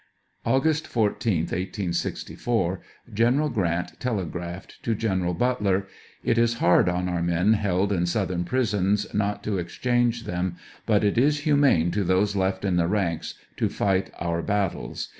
August 14th, 1864, General Grant telegraphed to General Butler :' It is hard on our men held in Southern prisons, not to exchange them, but it is humane to those left in the ranks to fight our battles.